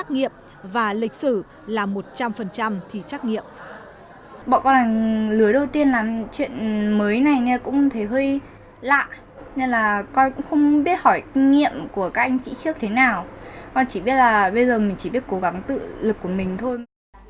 ngoại ngữ kết hợp tự luận với trắc nghiệm và lịch sử là một trăm linh thì trắc nghiệm